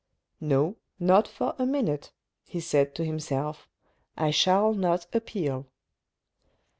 " No, not for a minute," he said to himself, " I shall not appeal."